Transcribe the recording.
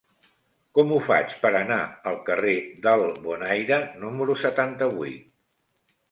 Com ho faig per anar al carrer del Bonaire número setanta-vuit?